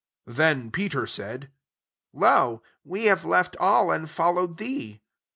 '' 28 Then Peter said, " Lo, we have left all, and followed thee."